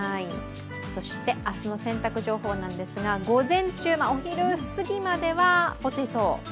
そして明日の洗濯情報なんですが午前中、お昼過ぎまでは干せそう。